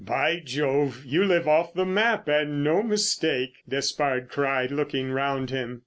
"By Jove, you live off the map, and no mistake!" Despard cried looking round him.